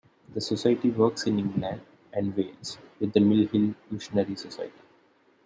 The Society works in England and Wales with the Mill Hill Missionary Society.